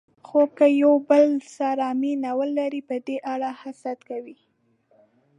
خو که یو له بل سره مینه ولري، په دې اړه حسد کوي.